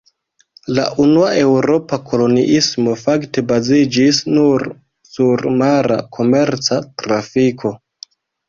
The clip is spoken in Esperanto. La unua eŭropa koloniismo fakte baziĝis nur sur mara komerca trafiko.